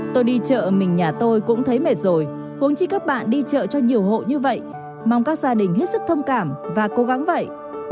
tôi đi chợ mình nhà tôi cũng thấy mệt rồi huống chi các bạn đi chợ cho nhiều hộ như vậy mong các gia đình hết sức thông cảm và cố gắng vậy